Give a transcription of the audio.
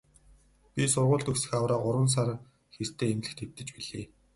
Би сургууль төгсөх хавраа гурван сар хэртэй эмнэлэгт хэвтэж билээ.